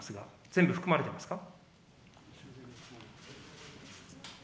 全部含まれていますか。